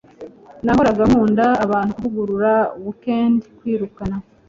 nahoraga nkunda abantu 'kuvugurura weekend' - kwirukana